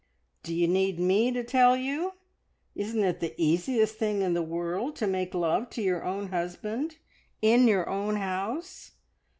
"D'you need me to tell you? Isn't it the easiest thing in the world to make love to your own husband, in your own house?